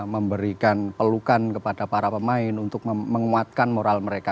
memberikan pelukan kepada para pemain untuk menguatkan moral mereka